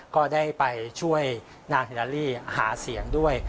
ก็ได้ไปช่วยนางฮิลาลี่หาเสียงด้วย